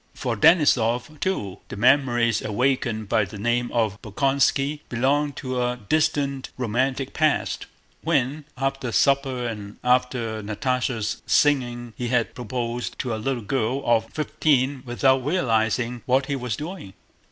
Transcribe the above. For Denísov, too, the memories awakened by the name of Bolkónski belonged to a distant, romantic past, when after supper and after Natásha's singing he had proposed to a little girl of fifteen without realizing what he was doing.